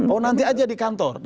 oh nanti aja di kantor